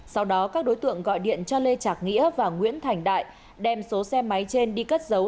sau đó các đối tượng gọi điện cho lê trạc nghĩa và nguyễn thành đại đem số xe máy trên đi cất giấu